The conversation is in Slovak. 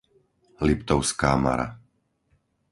Liptovská Mara